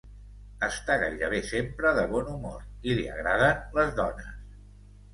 Està gairebé sempre de bon humor i li agraden les dones.